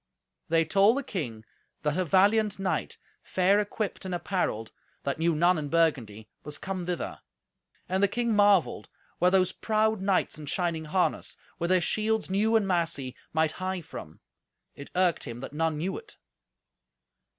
They told the king that a valiant knight, fair equipped and apparelled, that knew none in Burgundy, was come thither. And the king marvelled where those proud knights in shining harness, with their shields new and massy, might hie from. It irked him that none knew it.